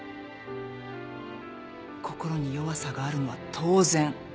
心に弱さがあるのは当然。